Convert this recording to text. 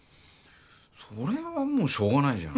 それはもうしょうがないじゃん。